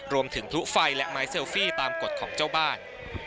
พลุไฟและไม้เซลฟี่ตามกฎของเจ้าบ้าน